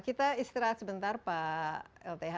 kita istirahat sebentar pak lth